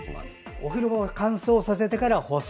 お風呂場を乾燥させてから干す。